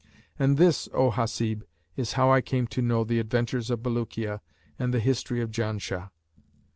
And this, O Hasib, is how I came to know the adventures of Bulukiya and the history of Janshah."